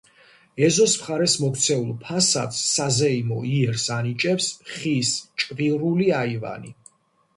ეზოს მხარეს მოქცეულ ფასადს საზეიმო იერს ანიჭებს ხის, ჭვირული აივანი.